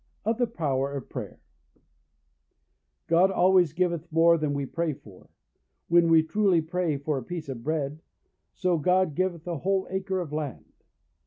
Of the Power of Prayer. God always giveth more than we pray for; when we truly pray for a piece of bread, so giveth God a whole acre of land.